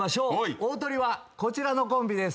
大トリはこちらのコンビです。